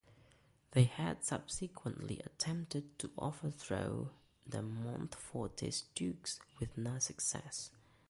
They had subsequently attempted to overthrow the Montfortist Dukes, with no success.